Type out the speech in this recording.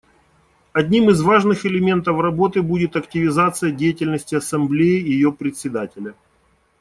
Одним из важных элементов работы будет активизация деятельности Ассамблеи и ее Председателя.